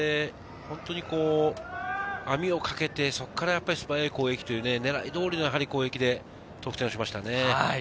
網をかけて、そこから素早い攻撃という狙い通りの攻撃で得点しましたね。